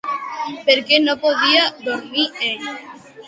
Per què no podia dormir ell?